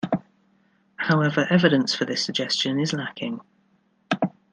However evidence for this suggestion is lacking.